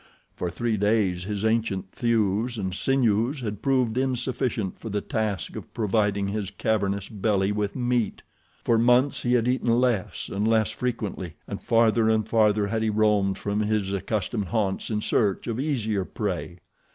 For three days his ancient thews and sinews had proved insufficient for the task of providing his cavernous belly with meat. For months he had eaten less and less frequently, and farther and farther had he roamed from his accustomed haunts in search of easier prey.